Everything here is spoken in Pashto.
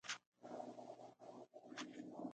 ونې لویې شوې او میوه یې ورکړه.